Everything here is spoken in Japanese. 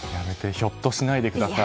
ひょっとしないでください。